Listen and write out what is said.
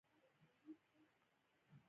څنګه کولی شم د ماشومانو د امتحان فشار کم کړم